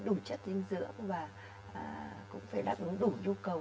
đủ chất dinh dưỡng và cũng phải đáp ứng đủ nhu cầu